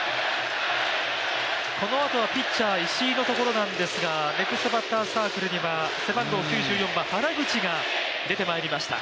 このあとはピッチャー・石井のところなんですがネクストバッターズサークルには背番号９４番、原口が出てまいりました。